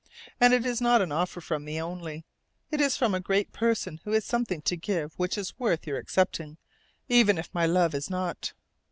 And it is not an offer from me only; it is from a great person who has something to give which is worth your accepting, even if my love is not!"